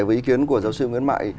với ý kiến của giáo sư nguyễn mại